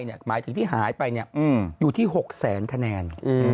หมายถึงที่หายไปอยู่ที่๖แสนคะแนน